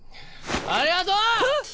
ありがとう！